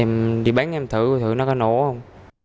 em đi bán em thử nó có nổ không